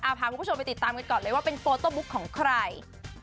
พาคุณผู้ชมไปติดตามกันก่อนเลยว่าเป็นโฟโต้บุ๊กของใคร